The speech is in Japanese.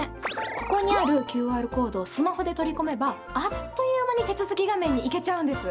ここにあるＱＲコードをスマホで取り込めばあっという間に手続き画面に行けちゃうんです。